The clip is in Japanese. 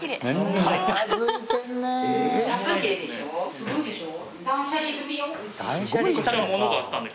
すごいでしょう。